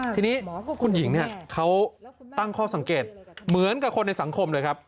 ทีนี้คุณหญิงเขาตั้งข้อสังเกตเหมือนกับคนในสังคมเลยครับ